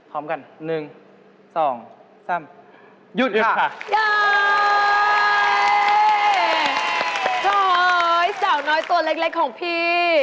เฮ่ยสาวน้อยตัวเล็กของพี่